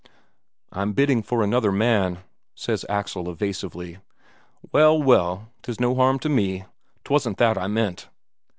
"I'm bidding for another man," says Axel evasively. "Well, well, 'tis no harm to me, 'twasn't that I meant."